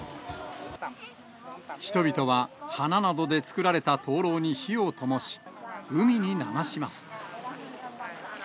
人々は花などで作られた灯籠に火をともし、海に流します。